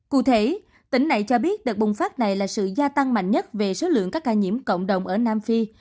cụ thể tỉnh này cho biết đợt bùng phát này là sự gia tăng mạnh nhất về số lượng các ca nhiễm cộng đồng ở nam phi